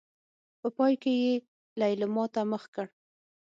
په پای کې يې ليلما ته مخ کړ.